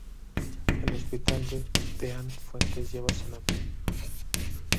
El hospital de Deán Funes lleva su nombre.